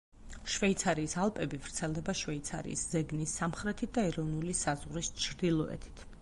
შვეიცარიის ალპები ვრცელდება შვეიცარიის ზეგნის სამხრეთით და ეროვნული საზღვრის ჩრდილოეთით.